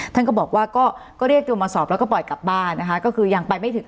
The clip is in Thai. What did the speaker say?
ท่านก็บอกว่าก็เรียกตัวมาสอบแล้วก็ปล่อยกลับบ้านนะคะก็คือยังไปไม่ถึง